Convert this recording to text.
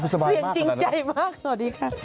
สวัสดีค่ะ